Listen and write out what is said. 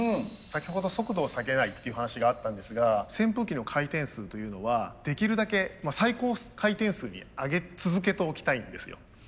先ほど速度を下げないっていう話があったんですが扇風機の回転数というのはできるだけ最高回転数に上げ続けておきたいんですよ。